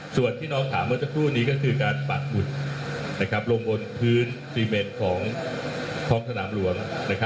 ส่วนที่น้องถามเมื่อสักครู่นี้ก็คือการปัดหุ่นลงบนพื้นซีเมนของท้องสนามหลวง